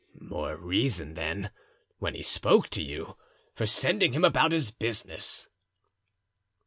"More reason, then, when he spoke to you, for sending him about his business."